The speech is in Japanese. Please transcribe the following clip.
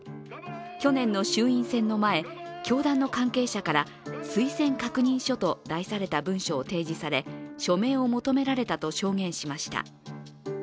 去年の衆院選の前教団の関係者から推薦確認書と題された文書を提示され署名を求められたと証言しました。